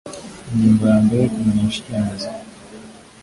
ingingo yambere kumenyesha icyemezo